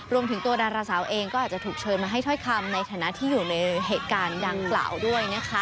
รวมถึงตัวดาราสาวเองก็อาจจะถูกเชิญมาให้ถ้อยคำในฐานะที่อยู่ในเหตุการณ์ดังกล่าวด้วยนะคะ